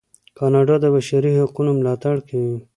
کاناډا د بشري حقونو ملاتړ کوي.